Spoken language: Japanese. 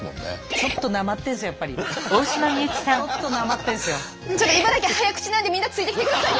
ちょっと茨城早口なんでみんなついてきてくださいね。